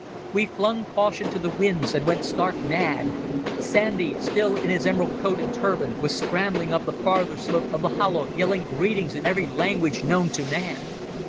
We flung caution to the winds, and went stark mad. Sandy, still in his emerald coat and turban, was scrambling up the farther slope of the hollow, yelling greetings in every language known to man.